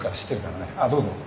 あっどうぞ。